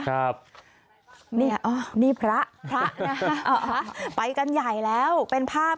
ครับเนี่ยอ๋อนี่พระพระนะคะไปกันใหญ่แล้วเป็นภาพ